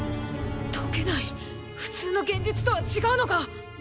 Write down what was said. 解けない普通の幻術とは違うのか！？